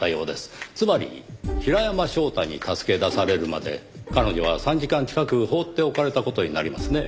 つまり平山翔太に助け出されるまで彼女は３時間近く放っておかれた事になりますね。